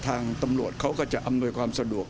ทางตำรวจเขาก็จะอำนวยความสะดวก